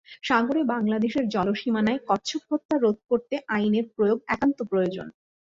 সাগরে বাংলাদেশের জলসীমানায় কচ্ছপ হত্যা রোধ করতে আইনের প্রয়োগ একান্ত প্রয়োজন।